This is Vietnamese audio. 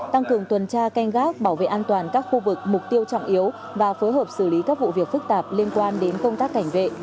tăng cường tuần tra canh gác bảo vệ an toàn các khu vực mục tiêu trọng yếu và phối hợp xử lý các vụ việc phức tạp liên quan đến công tác cảnh vệ